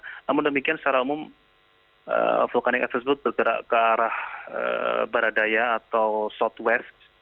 namun demikian secara umum vulkanik tersebut bergerak ke arah baradaya atau southware